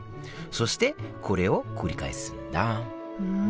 そしてこれを繰り返すんだうん